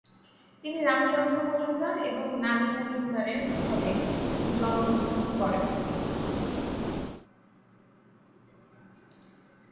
তিনি রামচন্দ্র মজুমদার এবং নানী মজুমদারের ঘরে জন্মগ্রহণ করেন।